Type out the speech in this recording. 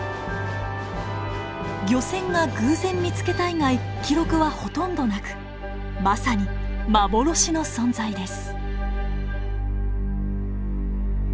漁船が偶然見つけた以外記録はほとんどなくまさに幻の存在です。